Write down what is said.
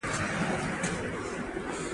پانګوال نشي کولی د یوې ورځې په ګټه کار وکړي